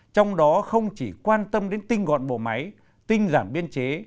trong đó không chỉ quan tâm đến tinh gọn bộ máy tinh giản biên chế